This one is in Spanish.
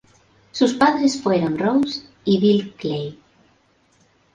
Sus padres fueron Rose y Bill Clay.